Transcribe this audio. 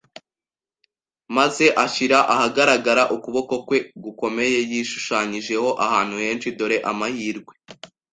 maze ashyira ahagaragara ukuboko kwe gukomeye. Yishushanyijeho ahantu henshi. “Dore amahirwe.”